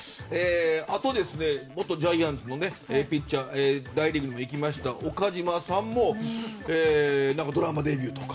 あと、元ジャイアンツのピッチャー大リーグにも行きました岡島さんもドラマデビューとか。